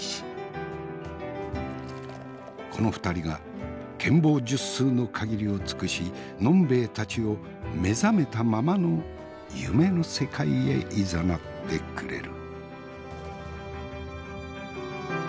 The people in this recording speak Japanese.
この２人が権謀術数の限りを尽くし呑兵衛たちを目覚めたままの夢の世界へいざなってくれる。